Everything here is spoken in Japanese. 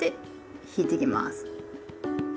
引いてきます。